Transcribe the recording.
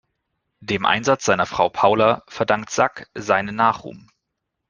Dem Einsatz seiner Frau Paula verdankt Sack seinen Nachruhm.